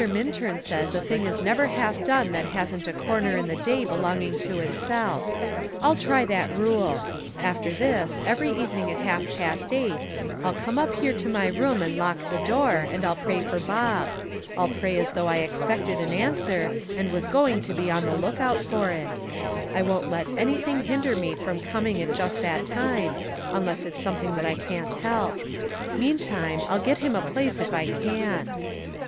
Minturn says a thing is never half done that hasn't a corner in the day belonging to itself. I'll try that rule. After this, every evening at half past eight, I'll come up here to my room and lock the door, and I'll pray for Bob; I'll pray as though I expected an answer, and was going to be on the look out for it. I won't let anything hinder me from coming at just that time, unless it's something that I can't help. Meantime, I'll get him a place if I can."